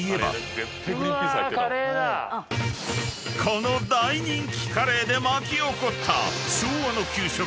［この大人気カレーで巻き起こった］